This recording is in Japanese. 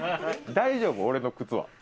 大丈夫俺の靴は。